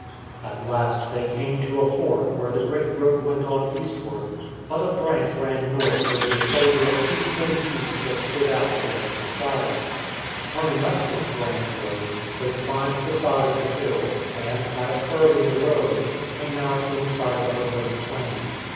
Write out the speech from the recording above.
At last they came to a fork where the great road went on eastward, but a branch ran north over the shoulder of two twin peaks that stood out against the skyline. Turning up this branch road, they climbed the side of the hill, and, at a curve in the road, came out in sight of a great plain.